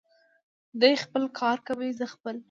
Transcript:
دی خپل کار کوي، زه خپل.